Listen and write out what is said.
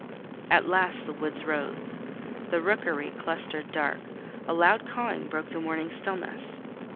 At last the woods rose; the rookery clustered dark; a loud cawing broke the morning stillness.